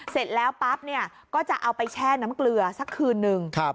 เสร็จแล้วปั๊บเนี่ยก็จะเอาไปแช่น้ำเกลือสักคืนนึง